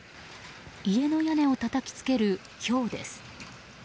家の屋根をたたき付けるひょうです。